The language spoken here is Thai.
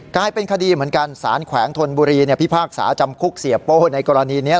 กลายเป็นคดีเหมือนกันสารแขวงธนบุรีพิพากษาจำคุกเสียโป้ในกรณีนี้